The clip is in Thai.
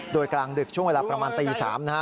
โดยกลางดึกช่วงเวลาประมาณตี๓นะฮะ